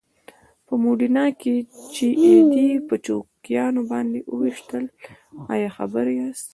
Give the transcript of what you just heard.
په موډینا کې چې یې دی په چوکیانو باندې وويشتل ایا خبر یاست؟